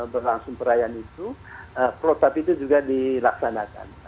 berlangsung perayaan itu protap itu juga dilaksanakan